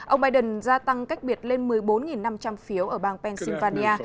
ông biden gia tăng cách biệt lên một mươi bốn năm trăm linh phiếu ở bang pennsylvania